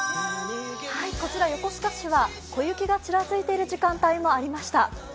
こちら横須賀市は小雪がちらついている時間帯もありました。